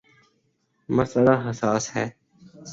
مسئلہ حساس ہے۔